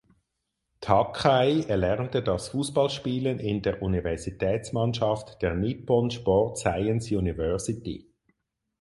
Takai erlernte das Fußballspielen in der Universitätsmannschaft der Nippon Sport Science University.